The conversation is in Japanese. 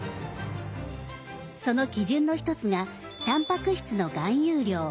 その基準の１つがタンパク質の含有量。